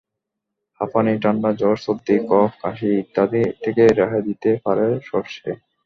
হাঁপানি, ঠান্ডা জ্বর, সর্দি, কফ, কাশি ইত্যাদি থেকে রেহাই দিতে পারে সরষে।